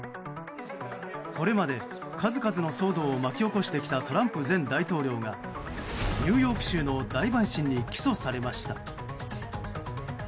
これまで数々の騒動を巻き起こしてきたトランプ前大統領がニューヨーク州の大陪審に起訴されました。